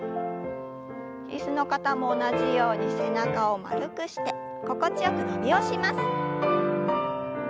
椅子の方も同じように背中を丸くして心地よく伸びをします。